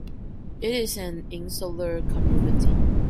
It is an insular community.